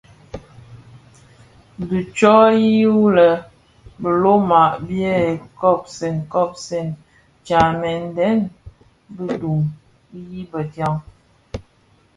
Dhi ntsoyi wu lè biloma biè kobsèn kobsèn tyamèn deň bi duň yi bëdiaň.